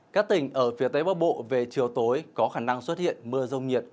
các tỉnh ở phía tây bắc bộ về chiều tối có khả năng xuất hiện mưa rông nhiệt